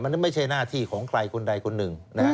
มันไม่ใช่หน้าที่ของใครคนใดคนหนึ่ง